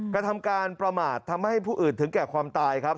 กระทำการประมาททำให้ผู้อื่นถึงแก่ความตายครับ